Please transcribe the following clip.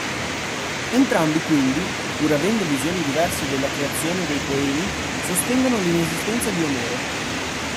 Entrambi quindi, pur avendo visioni diverse della creazione dei poemi sostengono l'inesistenza di Omero.